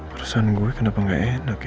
perusahaan gue kenapa gak enak ya